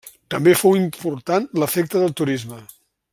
També fou important l'efecte del turisme.